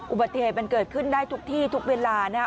อุบัติเหตุมันเกิดขึ้นได้ทุกที่ทุกเวลานะครับ